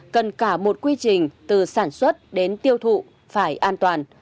cần cả một quy trình từ sản xuất đến tiêu thụ phải an toàn